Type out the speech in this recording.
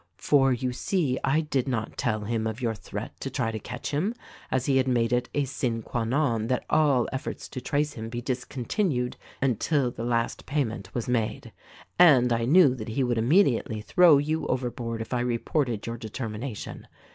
For, you see, I did not tell him of your threat to try to catch him, as he had made it a sine qua non that all efforts to trace him be discontinued until the last payment was made. And I knew that he would immediately throw you overboard if I reported your determination.